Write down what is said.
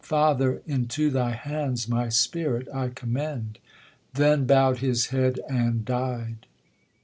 Father ! into thy hands My spirit I commend. Then bow'd his head And died.